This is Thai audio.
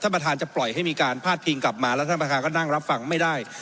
ประธานจะปล่อยให้มีการพาดพิงกลับมาแล้วท่านประธานก็นั่งรับฟังไม่ได้